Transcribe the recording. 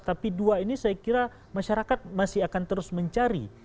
tapi dua ini saya kira masyarakat masih akan terus mencari